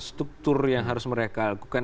struktur yang harus mereka lakukan